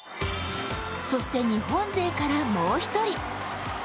そして日本勢からもう一人。